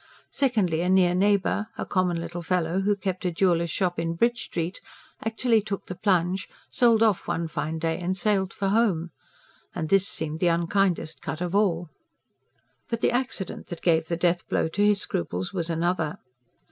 Secondly, a near neighbour, a common little fellow who kept a jeweller's shop in Bridge Street, actually took the plunge: sold off one fine day and sailed for home. And this seemed the unkindest cut of all. But the accident that gave the death blow to his scruples was another.